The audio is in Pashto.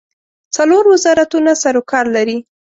څلور وزارتونه سروکار لري.